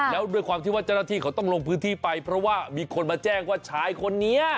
แล้วด้วยความที่ว่าเจ้าหน้าที่เขาต้องลงพื้นที่ไปเพราะว่ามีคนมาแจ้งว่าชายคนนี้